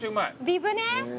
リブね。